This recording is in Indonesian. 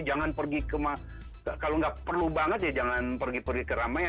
jangan pergi ke kalau nggak perlu banget ya jangan pergi pergi keramaian